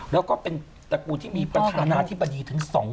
แล้วก็เป็นตระกูลที่มีประธานาธิบดีถึง๒คน